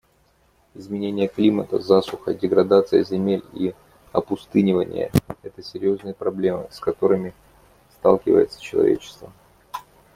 Изменение климата, засуха, деградация земель и опустынивание — это серьезные проблемы, с которыми сталкивается человечество.